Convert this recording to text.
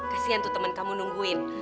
kasian tuh temen kamu nungguin